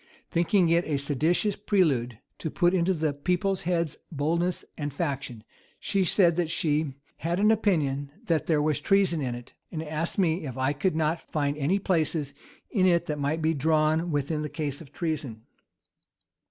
thinking it a seditious prelude to put into the people's heads boldness and faction:[*] she said, she had an opinion that there was treason in it, and asked me if I could not find any places in it that might be drawn within the case of treason?